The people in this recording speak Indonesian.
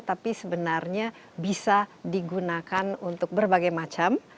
tapi sebenarnya bisa digunakan untuk berbagai macam